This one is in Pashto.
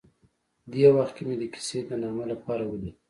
دې وخت کې مې د کیسې د نامه لپاره ولیکل.